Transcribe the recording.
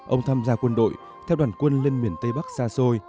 ông tham gia quân đội theo đoàn quân lên miền tây bắc xa xôi